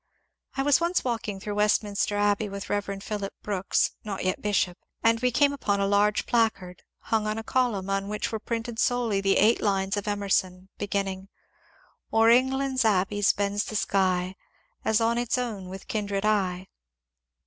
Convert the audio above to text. I was once walking through Westminster Abbey with Rev. Phillips Brooks (not yet bishop) and we came upon a large placard, hung on a column, on which were printed solely the eight lines of Emerson beginning, — O'er England's abbeys bends the skj, As on its own with kindred eye.